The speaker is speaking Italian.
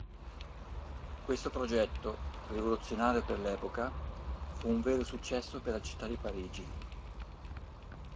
Questo progetto, rivoluzionario per l'epoca, fu un vero successo per la città di Parigi.